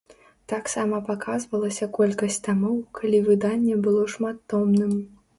Таксама паказвалася колькасць тамоў, калі выданне было шматтомным.